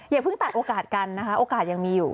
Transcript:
อย่าเพิ่งตัดโอกาสกันนะคะโอกาสยังมีอยู่